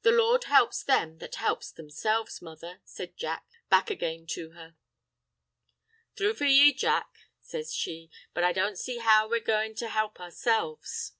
"The Lord helps them that help themselves, mother," says Jack back again to her. "Thrue for ye, Jack," says she, "but I don't see how we're goin' to help ourselves."